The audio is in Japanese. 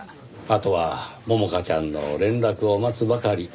あとは百花ちゃんの連絡を待つばかり。